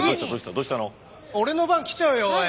次俺の番来ちゃうよおい。